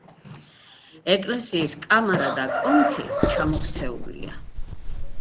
ეკლესიის კამარა და კონქი ჩამოქცეულია.